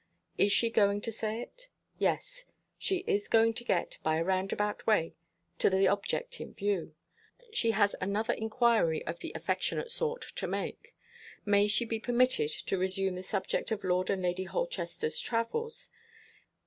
Is she going to say it? Yes. She is going to get, by a roundabout way, to the object in view. She has another inquiry of the affectionate sort to make. May she be permitted to resume the subject of Lord and Lady Holchester's travels?